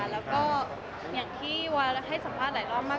แล้วก็อย่างที่วาให้สัมภาษณ์หลายรอบมาก